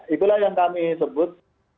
itulah yang kami sebut